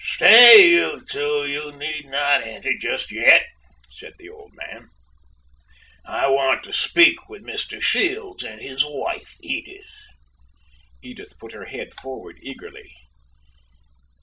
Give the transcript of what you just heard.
"Stay, you two, you need not enter just yet," said the old man, "I want to speak with Mr. Shields and his wife, Edith!" Edith put her head forward, eagerly.